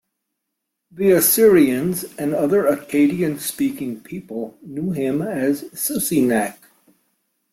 The Assyrians and other Akkadian-speaking people knew him as Susinak.